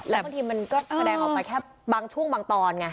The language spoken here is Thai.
แล้วบางทีมันก็แสดงออกไปแค่บางช่วงบางตอนไง